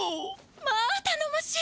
まあたのもしい！